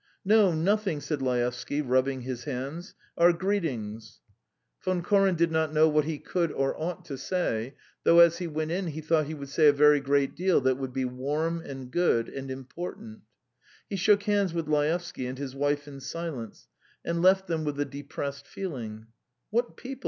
..." "No, nothing ..." said Laevsky, rubbing his hands. "Our greetings." Von Koren did not know what he could or ought to say, though as he went in he thought he would say a very great deal that would be warm and good and important. He shook hands with Laevsky and his wife in silence, and left them with a depressed feeling. "What people!"